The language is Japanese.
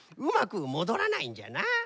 うまくもどらないんじゃな。